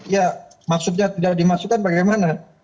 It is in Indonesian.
ya maksudnya tidak dimasukkan bagaimana